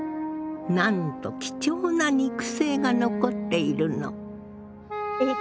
なんと貴重な肉声が残っているの。